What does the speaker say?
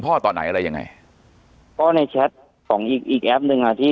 ตอนไหนอะไรยังไงก็ในแชทของอีกอีกแอปหนึ่งอ่ะที่